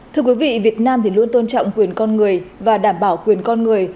thưa quý vị việt nam thì luôn tôn trọng quyền con người và đảm bảo quyền con người